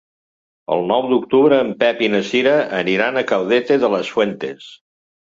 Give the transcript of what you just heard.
El nou d'octubre en Pep i na Cira aniran a Caudete de las Fuentes.